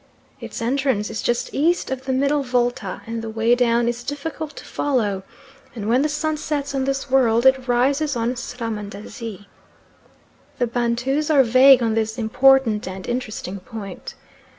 Its entrance is just east of the middle Volta, and the way down is difficult to follow, and when the sun sets on this world it rises on Srahmandazi. The Bantus are vague on this important and interesting point.